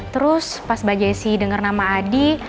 terus pas mbak jessi denger nama adi